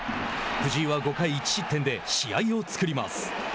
藤井は５回１失点で試合を作ります。